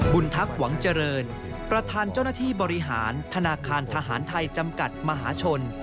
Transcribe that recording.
ทักษ์หวังเจริญประธานเจ้าหน้าที่บริหารธนาคารทหารไทยจำกัดมหาชน